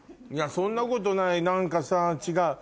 そんなことない何かさ違う。